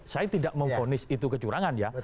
saya tidak memfonis itu kecurangan ya